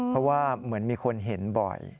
เพราะว่าเหมือนมีคนเห็นบ่อย